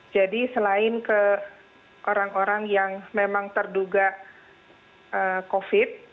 jadi selain ke orang orang yang memang terduga covid